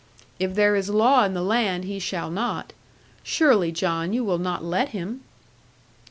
If there is law in the land he shall not. Surely, John, you will not let him?'